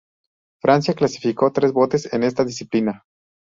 Francia clasificó tres botes en esta disciplina.